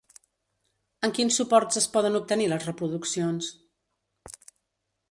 En quins suports es poden obtenir les reproduccions?